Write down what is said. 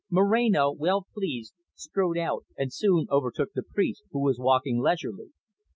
Moreno, well pleased, strode out, and soon overtook the priest, who was walking leisurely.